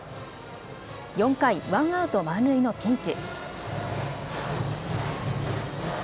４回、ワンアウト満塁のピンチ。